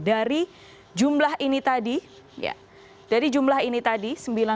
dari jumlah ini tadi sembilan puluh tiga enam ratus tujuh belas